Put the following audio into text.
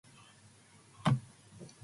Islam and idealism have taught us democracy.